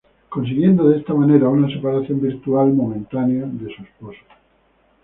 Consiguiendo de esta manera una separación virtual momentánea de su esposo.